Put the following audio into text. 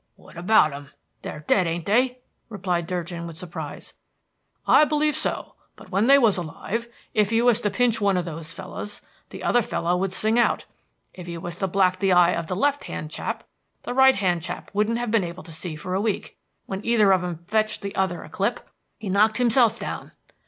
"What about 'em, they're dead, ain't they?" replied Durgin, with surprise. "I believe so; but when they was alive, if you was to pinch one of those fellows, the other fellow would sing out. If you was to black the eye of the left hand chap, the right hand chap wouldn't have been able to see for a week. When either of 'em fetched the other a clip, he knocked himself down.